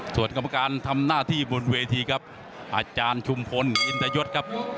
ส่วนกรรมการทำหน้าที่บนเวทีครับอาจารย์ชุมพลอินทยศครับ